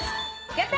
やった！